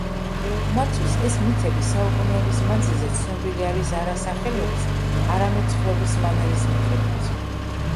მათთვის ეს მითები საუკუნეების მანძილზე ცნობილი არის არა სახელების, არამედ თხრობის მანერის მიხედვით.